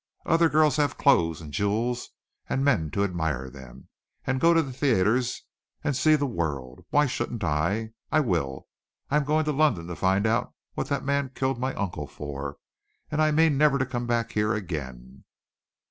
Other girls have clothes and jewels, and men to admire them, and go to theatres, and see the world. Why shouldn't I? I will! I am going to London to find out what that man killed my uncle for, and I mean never to come back here again."